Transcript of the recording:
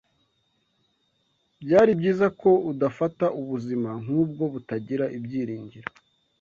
Byari byiza ko udafata ubuzima nk'ubwo butagira ibyiringiro.